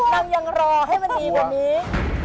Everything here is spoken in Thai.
มันยังรอให้มันดีกว่านี้